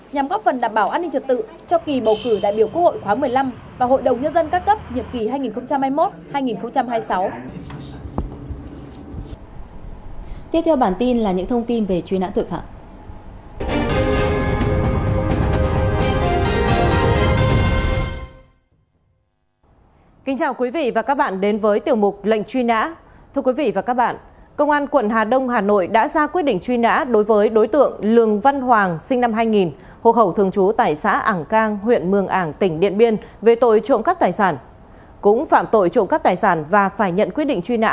nhằm góp phần đảm bảo an ninh trật tự cho kỳ bầu cử đại biểu quốc hội khóa một mươi năm và hội đồng nhân dân các cấp nhập kỳ hai nghìn hai mươi một hai nghìn hai mươi sáu